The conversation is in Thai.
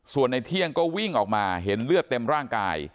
ส่วนในเที่ยงก็วิ่งออกมาเห็นเลือดเต็มร่างกาย